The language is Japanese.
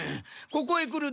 ここへ来る道中